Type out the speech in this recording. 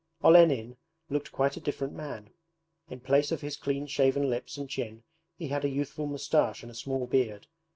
Olenin looked quite a different man. In place of his clean shaven lips and chin he had a youthful moustache and a small beard.